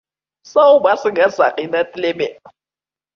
Сау басыңа сақина тілеме.